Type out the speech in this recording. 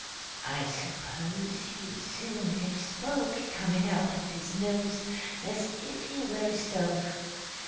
"I suppose he'll soon have smoke coming out of his nose, as if he were a stove.